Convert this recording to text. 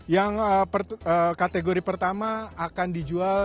yang kategori pertama akan dijual